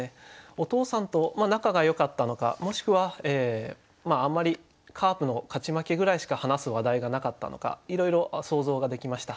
お父さんと仲がよかったのかもしくはあんまりカープの勝ち負けぐらいしか話す話題がなかったのかいろいろ想像ができました。